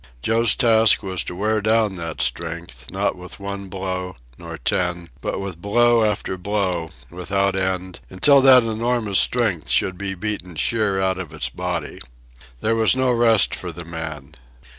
Joe's task was to wear down that strength, not with one blow, nor ten, but with blow after blow, without end, until that enormous strength should be beaten sheer out of its body. There was no rest for the man.